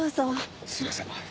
あっすいません。